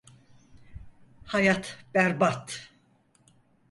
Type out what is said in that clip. Hayat berbat.